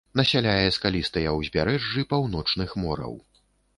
Насяляе скалістыя ўзбярэжжы паўночных мораў.